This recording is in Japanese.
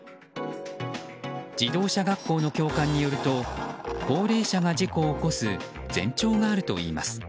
自動車学校の教官によると高齢者が事故を起こす前兆があるといいます。